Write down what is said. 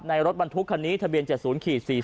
รถบรรทุกคันนี้ทะเบียน๗๐๔๔